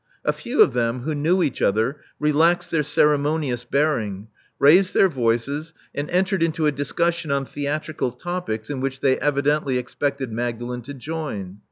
A few of them, who knew each other, relaxed their ceremonious bearing ; raised their voices; and entered into a discussion on theatrical topics in which they evidently expected Magdalen to join.